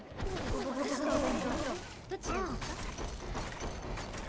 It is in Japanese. おすしとお弁当とどっちがいいですか？